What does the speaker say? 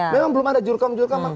memang belum ada jurkam jurkaman